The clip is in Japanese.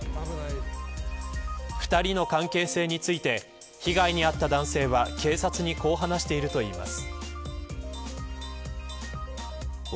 ２人の関係性について被害に遭った男性は警察にこう話しているといいます。